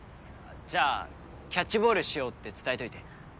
じゃあキャッチボールしようって伝えといて。